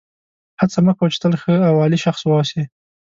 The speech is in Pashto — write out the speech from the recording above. هڅه مه کوه چې تل ښه او عالي شخص واوسې.